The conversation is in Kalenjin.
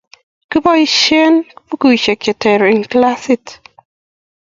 Kiboisien bukuisiek che ter eng' kilasit